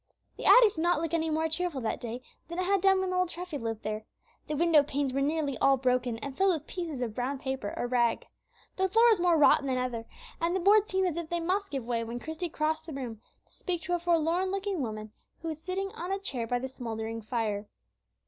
'" The attic did not look any more cheerful that day than it had done when old Treffy lived there. The window panes were nearly all broken and filled with pieces of brown paper or rag. The floor was more rotten than ever, and the boards seemed as if they must give way when Christie crossed the room to speak to a forlorn looking woman who was sitting on a chair by the smouldering fire.